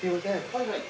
はいはい。